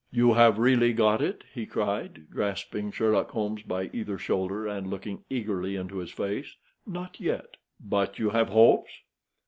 "You have really got it?" he cried, grasping Sherlock Holmes by either shoulder, and looking eagerly into his face. "Not yet." "But you have hopes?"